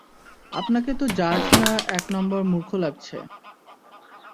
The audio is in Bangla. আপনাকে তো জাজ না এক নাম্বার মূর্খ লাগছে।